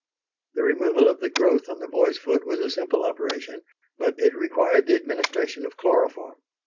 The removal of the growth on the boy's foot was a simple operation, but it required the administration of chloroform.